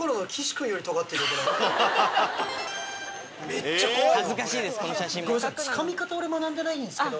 めっちゃ怖いわ。